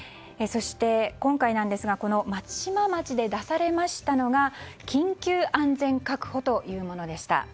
そして、今回なんですが松島町で出されましたのが緊急安全確保というものでした。